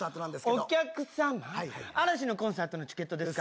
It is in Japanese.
お客様、嵐のコンサートのチケットですか？